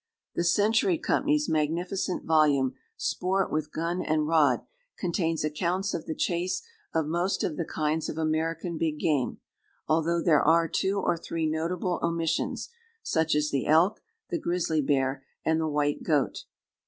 The Century Co.'s magnificent volume "Sport with Gun and Rod" contains accounts of the chase of most of the kinds of American big game, although there are two or three notable omissions, such as the elk, the grizzly bear, and the white goat.